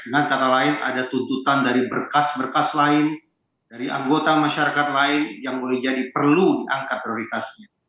dengan kata lain ada tuntutan dari berkas berkas lain dari anggota masyarakat lain yang boleh jadi perlu diangkat prioritasnya